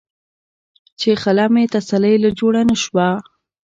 چې خله مې تسلۍ له جوړه نۀ شوه ـ